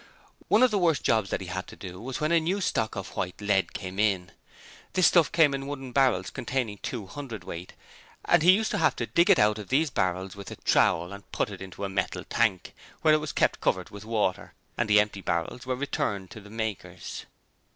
One of the worst jobs that he had to do was when a new stock of white lead came in. This stuff came in wooden barrels containing two hundredweight, and he used to have to dig it out of these barrels with a trowel, and put it into a metal tank, where it was kept covered with water, and the empty barrels were returned to the makers.